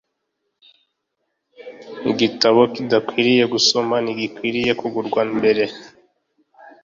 igitabo kidakwiriye gusoma ntigikwiye kugurwa mbere